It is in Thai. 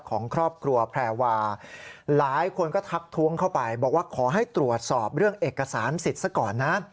ของครอบครัวแพรวาหลายคนก็ทักท้วงเข้าไปบอกว่าขอให้ตรวจสอบเรื่องเอกสารสิทธิ์ซะก่อนนะ